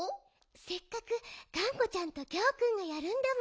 せっかくがんこちゃんとギャオくんがやるんだもの。